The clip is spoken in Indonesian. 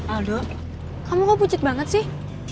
aduh kamu kok pucet banget sih